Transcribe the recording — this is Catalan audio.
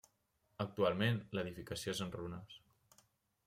Actualment l'edificació és en runes.